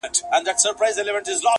دا د مشکو رباتونه خُتن زما دی!.